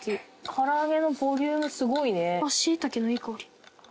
唐揚げのボリュームすごいね。